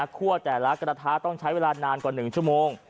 แต่ละกระทะต้องใช้เวลานานกว่า๑ชั่วโมง